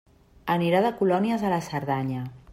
Anirà de colònies a la Cerdanya.